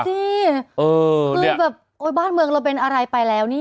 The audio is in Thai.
คือแบบโอ๊ยบ้านเมืองเราเป็นอะไรไปแล้วนี่